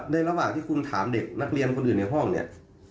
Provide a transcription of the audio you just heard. ระหว่างที่คุณถามเด็กนักเรียนคนอื่นในห้องเนี่ย